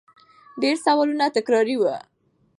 ډېر سوالونه تکراري وو